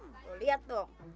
lu liat dong